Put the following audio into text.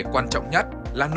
vấn đề quan trọng nhất là nội dung